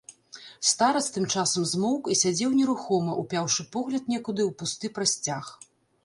Старац тым часам змоўк і сядзеў нерухома, упяўшы погляд некуды ў пусты прасцяг.